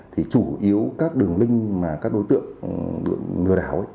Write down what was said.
thì chủ yếu các đường link mà các đối tượng lừa đảo